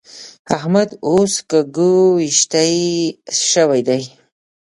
احمد اوس ګږوېښتی شوی دی.